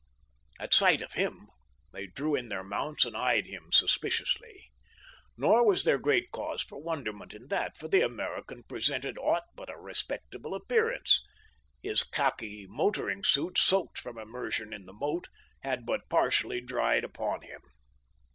At sight of him they drew in their mounts and eyed him suspiciously. Nor was there great cause for wonderment in that, for the American presented aught but a respectable appearance. His khaki motoring suit, soaked from immersion in the moat, had but partially dried upon him.